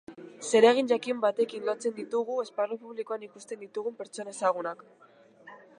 Zeregin jakin batekin lotzen ditugu esparru publikoan ikusten ditugun pertsona ezagunak.